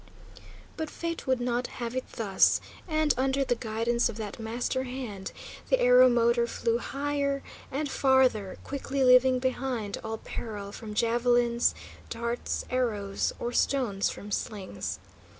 But fate would not have it thus, and, under the guidance of that master hand, the aeromotor flew higher and farther, quickly leaving behind all peril from javelins, darts, arrows, or stones from slings.